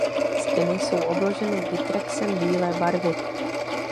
Stěny jsou obloženy Vitrexem bílé barvy.